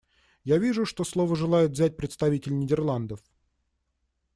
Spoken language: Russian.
Я вижу, что слово желает взять представитель Нидерландов.